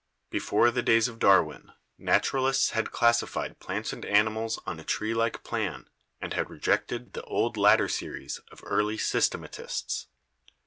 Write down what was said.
Before the days of Darwin naturalists had classified plants and animals on a tree like plan and had rejected the old ladder series of early systematists.